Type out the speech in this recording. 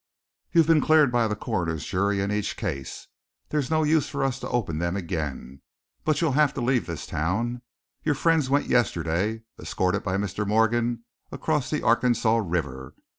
"You've been cleared by the coroner's jury in each case, there's no use for us to open them again. But you'll have to leave this town. Your friends went yesterday, escorted by Mr. Morgan across the Arkansas River.